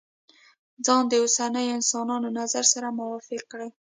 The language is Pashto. ځان د اوسنيو انسانانو نظر سره موافق کړي.